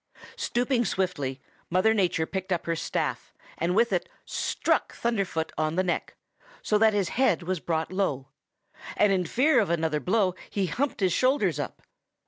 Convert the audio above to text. "Stooping swiftly, Mother Nature picked up her staff and with it struck Thunderfoot on the neck, so that his head was brought low, and in fear of another blow he humped his shoulders up.